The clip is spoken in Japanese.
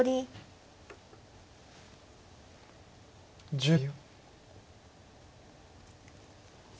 １０秒。